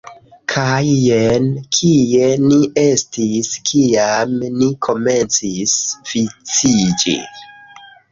Kaj jen kie ni estis kiam ni komencis viciĝi